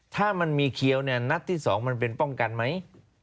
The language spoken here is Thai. ถ้ามันมีเคี้ยวเนี่ยนัดที่๒มันเป็นป้องกันไหม